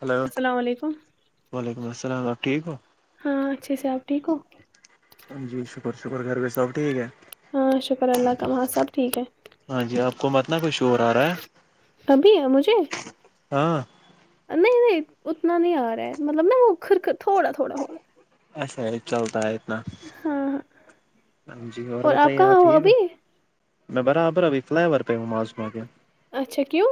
hello السلام علیکم وعلیکم السلام آپ ٹھیک ہو ہاں اچھے سے آپ ٹھیک ہو جی شکر شکر گھر بھی سب ٹھیک ہے ہاں شکر اللہ کا وہاں سب ٹھیک ہے ہاں جی آپ کو متنا کھ اور آ رہا ہے ابھی ہے مجھے ہاں نہیں نہیں اتنا نہیں آ رہا ہے مطلب نا وہ خر تھوڑا تھوڑا ہو رہا ایسا چلتا ہے اتنا سو جی اور بتائیے آپ ٹھیک ہے ابھی میں برابر ابھی فلائی اوور پہ ہوں ماس کو آ کے اچھا کیوں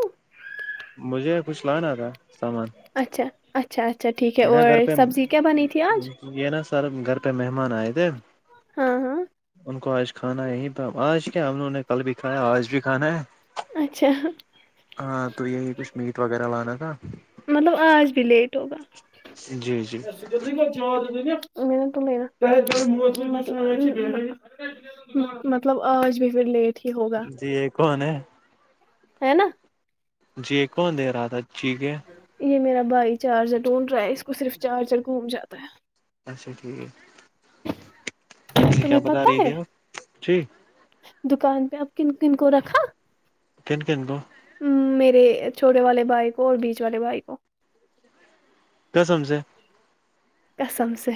مجھے کچھ لانا تھا سامان اچھا اچھا اچھا ٹھیک ہے یہ نا اور گھر پہ سبزی کیا بنی تھی آج یہ نا سر گھر پہ مہمان آئے تھے ہاں ہاں کو آج کھانا یہ تھا آج کیا ہم لووں نے کل بھی کھا آج بھی کھانا ہے اچھا ہاں تو یہی کچھ میٹ وغیرہ لانا تھا مطلب آج بھی لیٹ ہوگا جی جی [unintelligible] مطلب آج بھی پھر لیٹ ہی ہوگا جی یہ کون ہے ہے نا جی کون دے رہا تھا جییک ہے یہ میرا بھائی چارجر ڈھونڈ رہا ہے اس کو صرف چارجر گھوم جاتا ہے اچھا ٹھیک مجھے کیا تمہیں بتا پتا رہی ہے تھی آپ جی دکان پہ اب کن کن کو رکھا کن کن کو میرے چھوٹے والے بھائی کو اور بیچ والے بھائی کو قسم سے قسم سے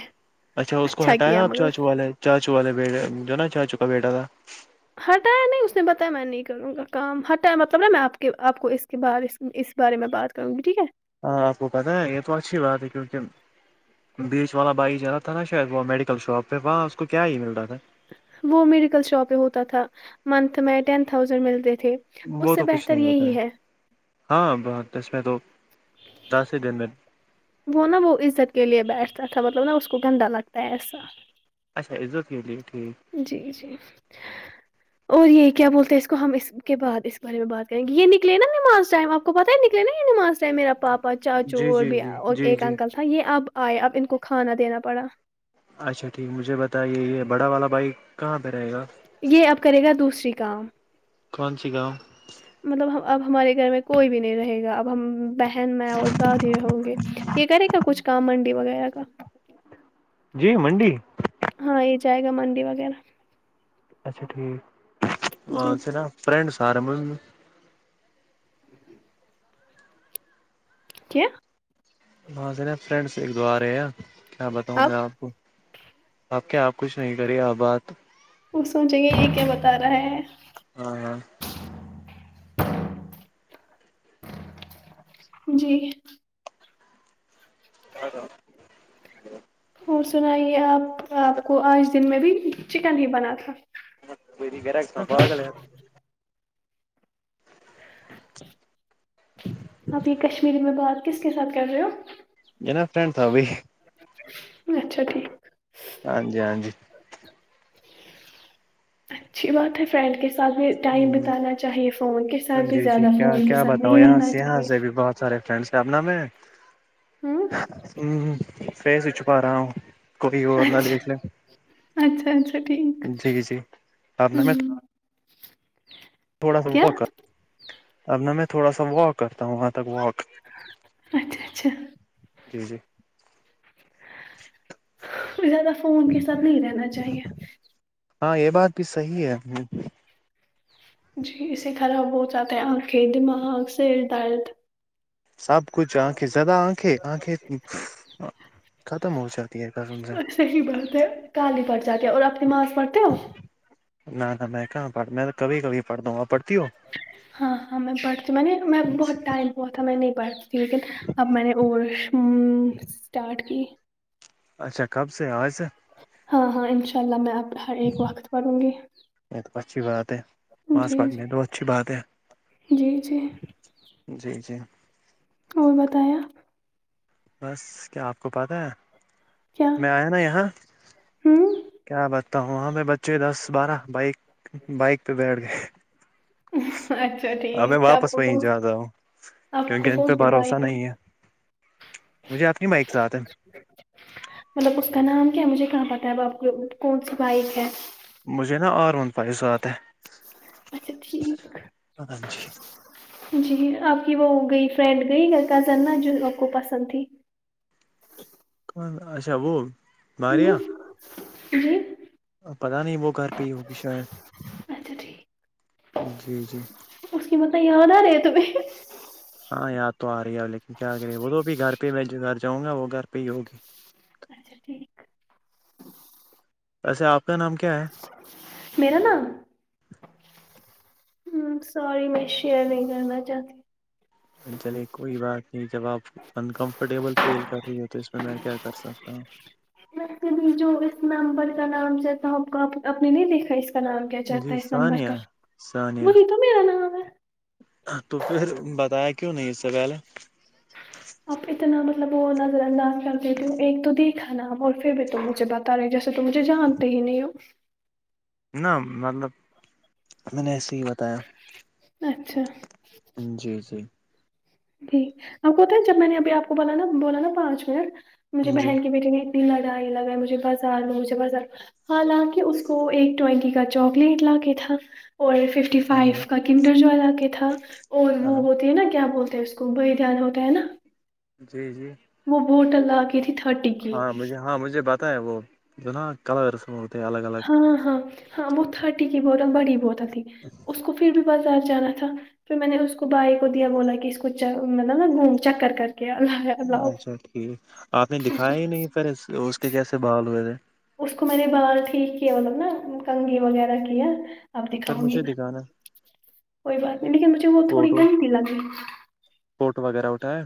اچھا اس کو ہٹایا کیا آپ مگر چاچو والے چاچو والے بیٹے جو نا چاچو کا بیٹا تھا ہٹایا نہیں اس نے بتایا میں نہیں کروںا کام ہٹایا مطلب نا میں آپ کے آپ کو اس کے بر اس بارے میں بات کروں گی ٹھیک ہے ہاں آپ کو پتاہ ہے یہ تو اچھی بات ہے کیونکہ بیچ والا بائک چ رہا تھا نا شاید وہ میڈیکل شاپ پہ وہاں اس کو کیا ہی مل رہا تھا وہ میڈیکل شاپ پ ہوتا تھا منتھ میں ٹین تھازینڈ ملتے تھے اس وہ سے تو کچھ بہتر نہیں ہوتا یہی ہے ہاں بہ اس میں تو دس ہی دن میں وہ نا وہ عزت کے لیے بیٹھتا تھا مطلب نا اس کو گندا لگتا ہے ایسا اچھا عزت کے لیے ٹھیک جی جی اور یہ کیا بولتے ہیں اس کو ہم اس کے بعد اس بارے میں بات کریں گے یہ نکے نا نماز ائم آپ کو پتہ ہے نکلےا یہ نماز چے میرا پاپا چاچو جی اور جی بھی جی جی ایک جی انکل تھا یہ اب آئے اب ان کو کھانا دینا پڑا اچھا ٹھیک مجھے بتائیے یہ بڑا والا بائک کہاں پہ رہے گا یہ اب کرے گا دوسری کام کون سی گاؤں مطلب اب ہمارے گھر میں کوئی بھی نہیں رہے گا اب ہم بہن مائ اور دادی ہوں گے یہ کرے گا کچھ کام منڈی وغیرہ کا جی منڈی ہاں یہ جائے گا منڈی وغیرہ اچھا جی ٹھیک نا فرینڈ سارے میں میں ک [unintelligible] ی وہاں سے ن فرینڈ ایک دو آ رہے ہیں کیا بتاؤں میں آپ کو اپ کیا آپ کچھ نہیں کرے آ بات وہ سوچیں گے یہ کیا بتا رہا ہے [inaudible] جی ہ [inaudible] اور سنائیے آپ آپ کو آج دن میں بھی چکن ہی بنا تھا ودی کہ رہا بسما پاگل ہے [inaudible] آپ یہ کشمیری میں بات کس کے ساتھ کر رہے ہو جو نا فرینڈ تھا ابھی اچھا ٹھیک ہاں جی ہاں جی اچھی بات ہے فرینڈ کے ساتھ بھی ٹائم بتانا چاہیے فون کے ساتھ بھی جی جی زیادہ کیا فون کے کیا ساتھ بتاؤں نہیں یہاں رہنا سے یہاں سے چاہیے بھی بہت سارے فرینڈس شبنم ہوں میںم ف سے چھپا رہا ہوں کوئی اور نہ اچھا دیکھ لیں اچھا اچھا ٹھیک جی جی آپ نے میں ہوں تھوڑا سا کیا واک اب نہ میں تھوڑا سا واک کرتا ہوں وہاں تک واک اچھا اچھا جی جی زیادہ فون کے ساتھ نہیں رہنا چاہیے ہاں یہ بات بھی صحیح ہے جی اسے خراب ہو جاتا ہے آنکھیں دماغ سر درد سب کچھ آنکھیں زیادہ آکھیں ختم ہو جاتی ہے کان صحیح بات ہے کال ہی پھٹ جاتے ہے اور اپ نماز پڑھتے ہو نہ نہ میں کہاں پڑھ میں کبھی کبھی پڑھتا ہوں آپ پڑھتی ہو ہاں ہاں میں پڑھتی ہو میں نے بہت ٹائم ہوا تھا میں نہیں پڑھتی لیکن اب میں نے اور اسٹارٹ کی اچھا کب سے آج سے ہاں ہاں انشاء اللہ میں آپ ہر ایک وقت پڑوں گی یہ تو اچھی بات ہے پاس جی جی پڑنے تو اچھی بات ہے جی جی جی جی اور بتایے آپ بس کیا آپ کو پتہ ہے کیا میں آیا نا یہاں ہوں کیا بتا وؤں وہاں پہ بچے دس بارہ بائک بائک پہ بیٹھ گئے اچھا اب میں ٹھیک ہے آپ واپس کو وہیں کونسی جاتا ہوں آپ کو کیونکہ ان پہ کونسی بھروسہ بائک نہیں ہے مجھے اپنی مائک ساتھ ہے مطلب اس کا نام کیا مجھے کہاں پتا ہے آپ کو کون سی بائک ہے مجھے نا آرون بائی ساتھ ہے اچھا ٹھیک جی جی آپ کی وہ گئی فرینڈ گئی گھر کزن نا جو آپ کو پسند تھی اچھا وہ باریہ ہوں جی پتا نہیں وہ گھر پہ ہی ہوگی شاید اچھا ٹھیک جی جی اس کی متنہ یاد آرہی ہے تمہیں ہاں یاد تو آ رہی ہے لیکن کیا کرے وہ تو بھی گھر پہ میں گھر جاؤں گا وہ گھر پہ ہی ہوگی اچھا ٹھیک ویسے آپ کا نام کیا ہے میرا نام ہیم سوری میں شیر نہیں کرنا چاہتی چلے کوئی بات نہیں جب آپ انکمفرٹیبل فیل کر رہی ہو تو اس میں میں کیا کر سکتا ہوں جو اس نمبر کا نام سے تو آپ نے نہیں دیکھا اس کا نام کیا ہوں چڑتا جی ہے اس نمبر ثانیہ کا ثانیہ وہی تو میرا نام ہے تو پھر بتایا کیوں نہیں اس سے پہلے اب اتنا مطلب وہ نظر انداز کر دیتے ہو ایک تو دیکھا نام اور پھر بھی تم مجھے بتا جیسے تو مجھے جانتے ہی نہیں ہو ن مطلب میں نے ایسے ہی بتایا اچھا جی جی ٹ ا کوتا ہے جب میں نے ابھی آپ کو بولا نا بولا نا پانچ منٹ مجھے جی بہن کی بیٹی نے دنا ڈ ہی لگا ہے مجھے بازار میں مجھے بازار حالانکہ اس کو ایک ٹینٹی کا چاکلیٹ لا کے تھا اور ففٹی فائیو کامٹر جو علاق تھا اور وہ ہاں ہوتے نا کیا بولتے اس کو وہ ہی دھیان ہوتا ہے نا جی جی وہ بوٹل لا گئی تھی تھرٹی کی ہاں مجھے ہاں مجھے بت ہے وہ جونا کلرس میں ہوتے الگ الگ ہاں ہاں ہاں وہ تھرٹی کی بوتل بڑی بوتل تھی اچ اس کو پھر بھی بازار جانا تھا پھر میں نے اس کو بھائی کو دیا بولا کہ اس کو مطلب نا گوم چکر کر کیا اچھا ٹھیک آپ نے دکھایا ہی نہیں پ اس کے کیسے بال ہوئے تھے اس کو میں نے باہر ٹھیک کیا مطلب نا کنگھی وغیرہ کی ہے اب پھر دکھاؤں گی مجھے میں دکھانا کوئی بات نہیں لیکن مجھے وہت تھوڑی گھنتی لگی کوٹ وغیرہ اٹھایا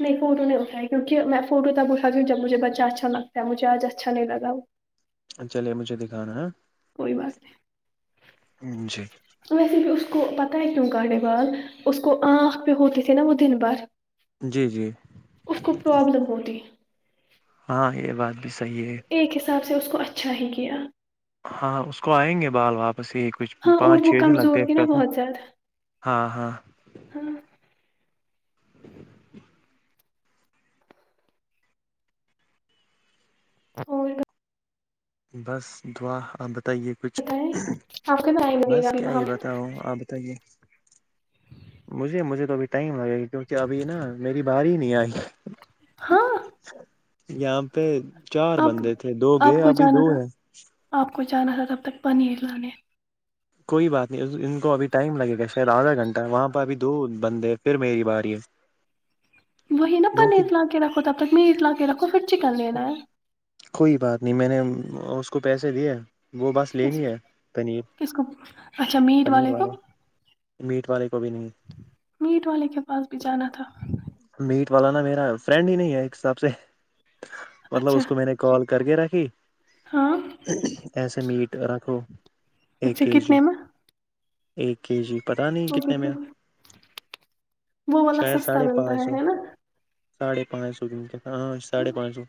نہیں فوٹو نہیں اٹھائی کیونکہ میں فو ت اھاتی ہوںبجھے بچہ اچھا لگتا ہےجھے آج اچھا لگا وہ چلیے مجھے دکھانا کوئی بات نہیں جی ویسے بھی اس کو پتہ ہے کیوں کاٹے بال اس کو آنکھ پہ ہوتے تھے نا وہ دن بھر جی جی اس کو پرابلم ہوتی ہاں یہ بات بھی صحیح ہے ایک حساب سے اس کو اچھا ہی کیا ہاں اس کو آئیں گے بال واپس یہ کچھ ہاں اور پانچ وہ چھ دن لگتے ہیں کمزور ایک تھی نا پہلے بہت ہاں ہاں ہماں اور بس دعا آپ بتائیے کچھ بتائیں آپ کا ٹائم لگے گا بس ابھی کیا وہاں یہ پہ بتاؤ آپ تائیے مجھے مجھے تو ابھی ٹائم لگے گا کیونکہ ابھی نا میری باری ہی نہیں آئی ہاں یہاں پہ چار آپ بندے تھے دو گئے آپ کو ابھی جانا دو تھا ہیں آپ کو جانا تھا تب تک پنیر لانے کوئی بات نہیں ان کو ابھی ٹائم لگے گا شاید آدھا گھنٹہ وہاں پرہ ابھی دو بندے ہیں پھر میری باری ہے وہی نا دو کی پنیر لا کے رکھو تب تک می اٹ لا کے رکھو پھر چکن لینا ہے کوئی بات نہیں میں نے اس کو پیسے دیے وہ بس کس لینی ہے پنیر کس کو اچھا میٹ پنیر کو والے میٹ والے کو بھی نہیں میٹ والے کے پاس بھی جانا تھا میٹ والا نا میرا فرینڈ ہی نہیں ہے ایک حساب سے مطلب اچھا اس کو میں نے کال کر گ راکی ہاں ایسے میٹ رکھو ایک اچھا کے جی کتنے میں ایک کے جی پتا نہیں کتنے میں وہ والا شاید سستا ساھے ملتا پچ ہے سو ہے نا ساھے پانچ سو جن کے ہاں ساھے پانچ سو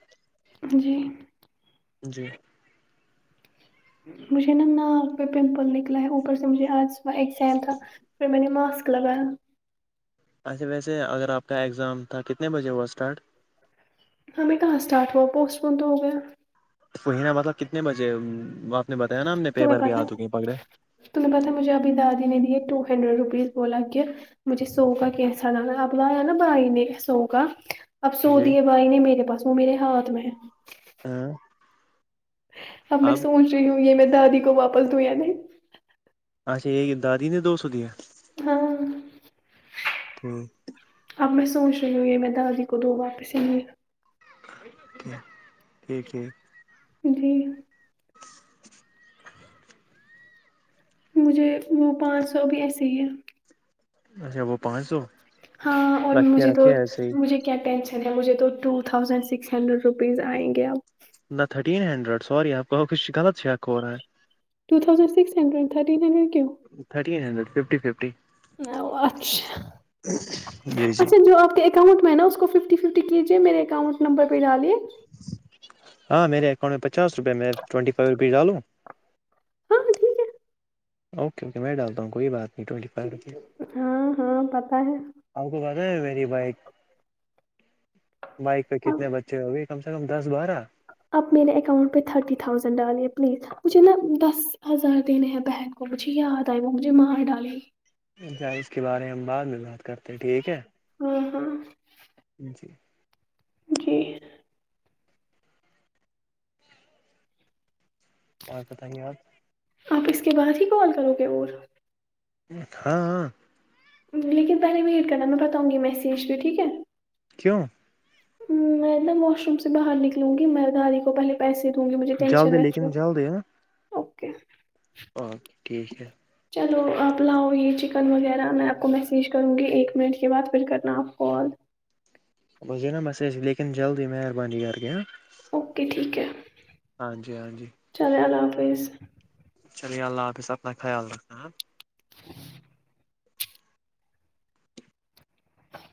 جی جی مجھے نا ناک پہ پمپل نکلا ہے اوپر سے مجھے آجا ایگزائم تھا پھر میں نے ماسک مطلب اچھے ویسے اگر آپ کا ایگزام تھا کتنے بجے ہوا اسٹارٹ ہمیں کہاں اسٹارٹ ہوا پوسٹ پون تو ہو گیا توہینا مطلب کتنے بجے آپ نے بتایا نا ہم نے پیپر بھی دھگیں پکڑے تمہ نے پتا مجھےبھی دادی نے دیے ٹو ہنڈریڈ روپیز بولا کہ مجھے سو کا کیسا لانا اب لایا نا بھائی نے سو کا اب سو جی دیے بھائی نے میرے پاس سو میرے ہاتھ میں ہاں اب میں سوچ رہی ہوں یہ میں دادی کو واپس دوں یا نہیں اچھا یہ دادی نے دو سو دییا ہاں ٹھیک اب میں سوچ رہی ہوں یہ میں دادی کو دو واپس ہی لی ٹھ ٹھ جی مجھے وہ پانچ سو بھی ایسے ہی ہے اچا وہ پانچ سو ہاں اور رکھے مجھے تو رکھے ایسے ہی مجھے کیا ٹینشن ہے مجھے تو ٹ تھاؤزینڈ سکس ہنڈریڈ روپیز آئیں گے اپ نہ تھرٹین ہنڈریڈ سوری آپ کا کچھ غلط چیک ہو رہا ہے ٹ thousand six hundred three hundred کی ہو تھر ہڈڈ ففٹی ففٹی اچھا جی جی اچھا جو آپ کے اکانٹ میں نا اس کو ففٹی ففٹیجے مے اکاؤنٹ نمبرہ ڈالے ہاں میرےکانٹ میں پچس روپئے میں ٹوٹی فائیو روپی ڈالوں ہاں ٹھیک ہے اوکے اوکے میں ڈالتا ہوں کوئی بات نہیں ٹینٹی فائیو روپیز ہاں ہاں پتہ ہے آپ کو ب رہا ہے میری بائک بائک پہ اب کتنے بچے ہو گئے کم سے کم دس بارہ آپ میرے اکاؤنٹ پہ تھرٹی تھاؤزنڈ ڈالیے پلیز مجھے نا دس ہزار دینے ہیں بہن کو مجھے یاد آئی وہ مجھے مار ڈالی اچھا اس کے بارے میں ہم بعد میں بات کرتے ہیں ٹھیک ہے ہوں ہاں جی جی اور بتائیں گے آپ آپ اس کے بعد ہی کال کرو گے اور ہاں ہاں لیکن پہلے ویٹ کرنا میں پتتاؤوں گی میسج پ ٹھیک ہے کیوں میں نا واش روم سے باہر نکلوں گی میں داری کو پہلے پیسے دوں گی مجھے ٹینشن جلدی رہتی ہے لیکن جلدی ہاں اوکے اوکے ٹھیک ہے چلو آپ لاؤ یہ چکن وغیرہ میں آپ کو میسیج کروں گی ایک منٹ کے بعد پھر کرنا آپ کال بس د نا مسیج لیکن جلدی مہربانی کر کے اوکے ٹھیک ہے ہاں جی ہاں جی چلے اللہ حافظ چلیے اللہ حافظ اپنا خیال رکھنا